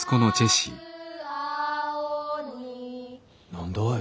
何だい？